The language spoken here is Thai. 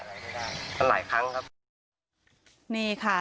มันหลายครั้งนี่ค่ะ